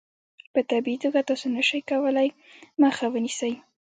په طبیعي توګه تاسو نشئ کولای مخه ونیسئ.